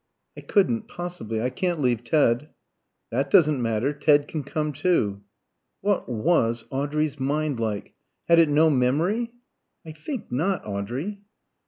"I couldn't, possibly. I can't leave Ted." "That doesn't matter. Ted can come too." What was Audrey's mind like? Had it no memory? "I think not, Audrey."